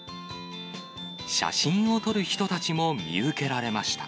写真を撮る人たちも見受けられました。